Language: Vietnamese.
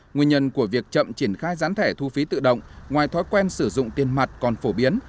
nguyên nhân của việc chậm triển khai gián thẻ thu phí tự động ngoài thói quen sử dụng tiền mặt còn phổ biến